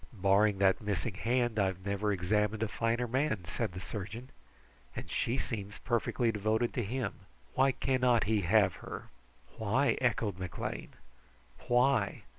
"Barring that missing hand, I never examined a finer man," said the surgeon, "and she seemed perfectly devoted to him; why cannot he have her?" "Why?" echoed McLean. "Why?